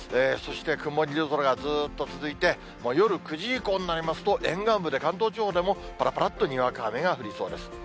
そして曇り空がずっと続いて、夜９時以降になりますと、沿岸部で、関東地方でも、ぱらぱらっとにわか雨が降りそうです。